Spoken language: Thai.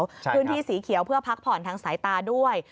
พื้นที่สีเขียวเพื่อพักผ่อนทางสายตาด้วย